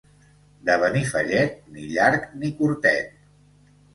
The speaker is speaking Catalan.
De Benifallet, ni llarg ni curtet.